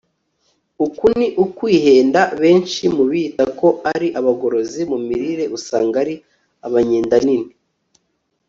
uku ni ukwihenda. benshi mu biyita ko ari abagorozi mu mirire usanga ari abanyendanini